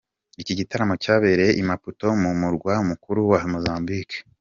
Iki gitaramo cyabereye i Maputo mu murwa mukuru wa Mozambique.